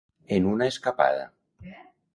En una escapada.